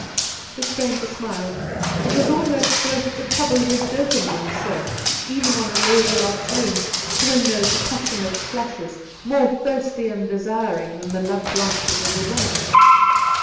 The stranger smiled. It was almost worth the trouble of exerting oneself, even on a lazy afternoon, to win those passionate flashes, more thirsty and desiring than the love glances of a woman.